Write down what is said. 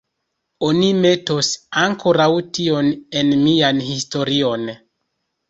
Oni metos ankoraŭ tion en mian historion.